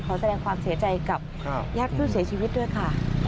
แสดงความเสียใจกับญาติผู้เสียชีวิตด้วยค่ะ